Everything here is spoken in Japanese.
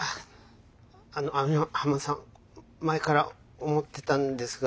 あの網浜さん前から思ってたんですが。